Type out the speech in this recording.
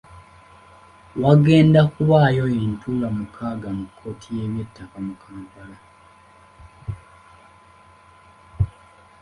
Wagenda kubaawo entuula mukaaga mu kkooti y’eby'ettaka mu Kampala.